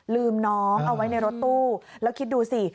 ลืมน้องเอาไว้ในรถตู้แล้วคิดดูสิ